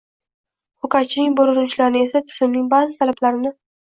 Ko‘katchining bu urinishlarini esa tizimning ba’zi talablarini